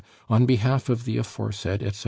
on behalf of the aforesaid, etc.